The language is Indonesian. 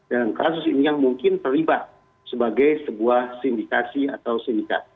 dan kasus ini yang mungkin terlibat sebagai sebuah sindikasi atau sindika